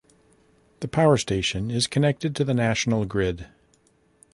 The power station is connected to the national grid.